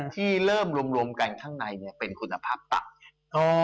ที่เริ่มรวมกันข้างในเป็นคุณภาพต่ำ